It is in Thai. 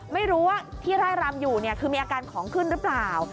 ไม่รู้ว่าที่ร่ายรำอยู่คือมีอาการของขึ้นหรือเปล่า